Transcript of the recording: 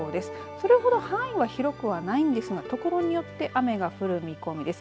それほど範囲は広くはないんですがところによって雨が降る見込みです。